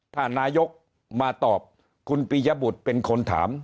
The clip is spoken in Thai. ถ้านายกมาตอบคุณปียบุตรเป็นคนถาม